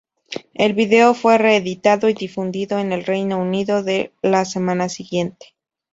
El vídeo fue reeditado y difundido en el Reino Unido la semana siguiente.